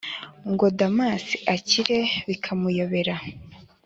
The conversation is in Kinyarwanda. ngo damas akire bikamuyobera,